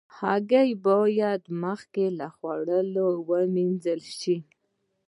هګۍ باید مخکې له خوړلو وینځل شي.